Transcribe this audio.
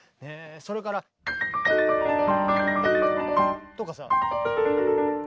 それから。とかさ。